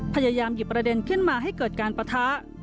พยายามหยิบประเด็นขึ้นมาให้เกิดการปะทะ